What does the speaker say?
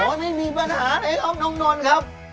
โอ้ไม่มีปัญหาเลยครับน้องนนท์ครับ